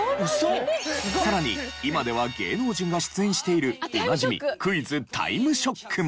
さらに今では芸能人が出演しているおなじみ『クイズタイムショック』も。